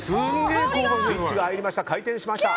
スイッチが入りました。